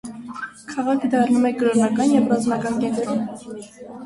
Քաղաքը դառնում է կրոնական և ռազմական կենտրոն։